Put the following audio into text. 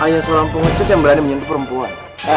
ayo semuanya pengencut yang berani menyentuh perempuan